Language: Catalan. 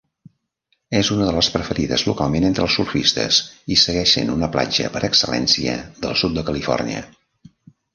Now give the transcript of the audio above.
És una de les preferides localment entre els surfistes i segueix sent una platja per excel·lència del sud de Califòrnia.